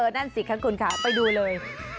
นั่นสิคะคุณค่ะไปดูเลย